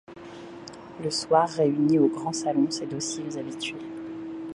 Le soir réunit au grand salon ses dociles habitués.